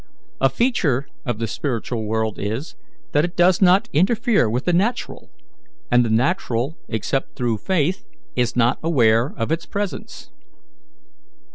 A feature of the spiritual world is, that it does not interfere with the natural, and the natural, except through faith, is not aware of its presence."